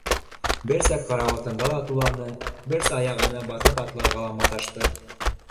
Берсә карауатында туланы, берсә аяғына баҫып атларға ла маташты.